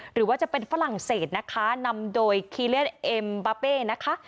หรือว่าจะเป็นฝรั่งเศสนะคะนำโดยคีเลสเอ็มบาเป้นะคะ